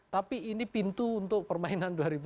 tapi ini pintu untuk permainan dua ribu dua puluh